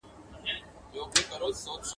وايي رود چي سمندر ته دا خلیږي !.